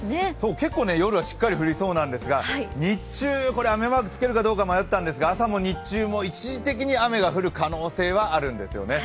結構、夜はしっかり降りそうなんですが日中、雨マークつけるかどうか迷ったんですが朝も日中も一時的に雨が降る可能性はあるんですよね。